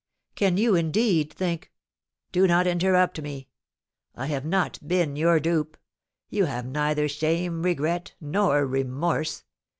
'" "Can you indeed think " "Do not interrupt me. I have not been your dupe; you have neither shame, regret, nor remorse.